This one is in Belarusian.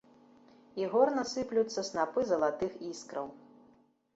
З горна сыплюцца снапы залатых іскраў.